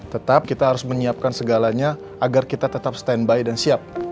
tetap kita harus menyiapkan segalanya agar kita tetap standby dan siap